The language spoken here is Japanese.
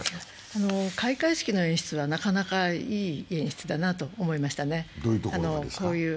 開会式の演出はなかなかいい演出だと思いましたね。